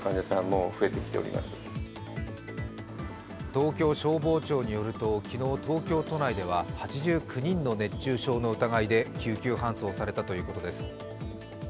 東京消防庁によると昨日、東京都内では８９人の熱中症の疑いで救急搬送されたということです。